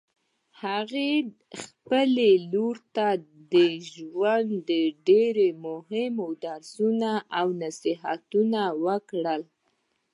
هغې خپلې لور ته د ژوند ډېر مهم درسونه او نصیحتونه ورکړل